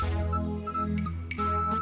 pertahankan pernikahan kamu